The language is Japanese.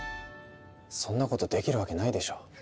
そんなことできるわけないでしょ。